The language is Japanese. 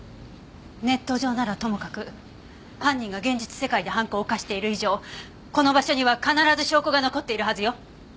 ネット上ならともかく犯人が現実世界で犯行を犯している以上この場所には必ず証拠が残っているはずよ。